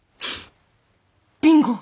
ビンゴ！